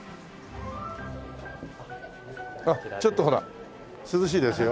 あっちょっとほら涼しいですよ。